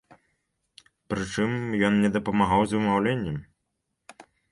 Прычым, ён мне дапамагаў з вымаўленнем.